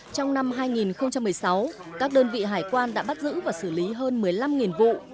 trong năm hai nghìn một mươi sáu các đơn vị hải quan đã bắt giữ và xử lý hơn một mươi năm vụ